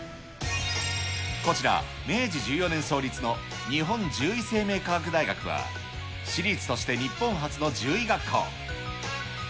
こちら、明治１４年創立の日本獣医生命科学大学は、私立として日本初の獣医学校。